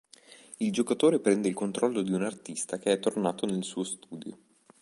Il giocatore prende il controllo di un artista che è tornato nel suo studio.